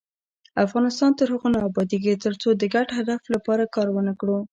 افغانستان تر هغو نه ابادیږي، ترڅو د ګډ هدف لپاره کار ونکړو.